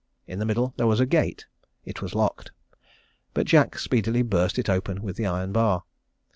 In the middle there was a gate: it was locked. But Jack speedily burst it open with the iron bar.